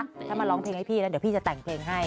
ถ้ามาร้องเพลงให้พี่แล้วเดี๋ยวพี่จะแต่งเพลงให้